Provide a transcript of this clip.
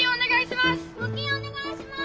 募金お願いします！